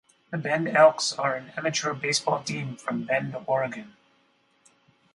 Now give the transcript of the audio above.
The Bend Elks are an amateur baseball team from Bend, Oregon.